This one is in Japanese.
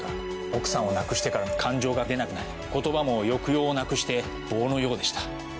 奥さんを亡くしてから感情が出なくなり言葉も抑揚をなくして棒のようでした。